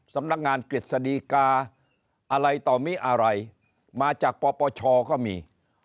สำนักงานกฤษฎีกาอะไรต่อมิอะไรมาจากปปชก็มี